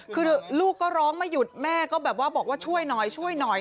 คือลูกก็ร้องไม่หยุดแม่ก็แบบว่าช่วยหน่อยนะ